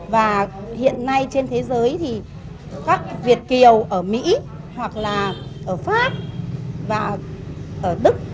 và hiện nay trên thế giới thì các việt kiều ở mỹ hoặc là ở pháp và ở đức